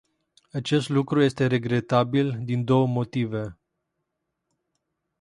Acest lucru este regretabil din două motive.